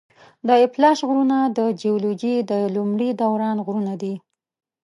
د اپلاش غرونه د جیولوجي د لومړي دوران غرونه دي.